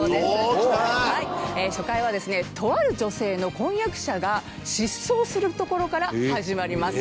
森口：初回はですねとある女性の婚約者が失踪するところから始まります。